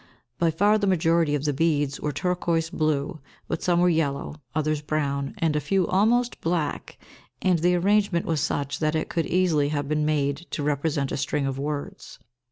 By far the majority of the beads were turquoise blue, but some were yellow, others brown, and a few almost black, and the arrangement was such that it could easily have been made to represent a string of words.